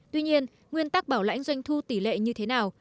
tuy nhiên nguyên tắc bảo lãnh doanh thu tỷ lệ như thế nào